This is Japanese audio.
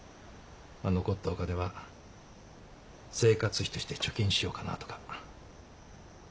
残ったお金は生活費として貯金しようかなとか。